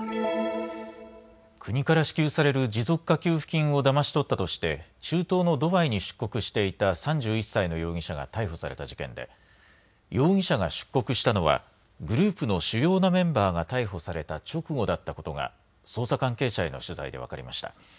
国から支給される持続化給付金をだまし取ったとして中東のドバイに出国していた３１歳の容疑者が逮捕された事件で容疑者が出国したのはグループの主要なメンバーが逮捕された直後だったことが捜査関係者への取材で分かりました。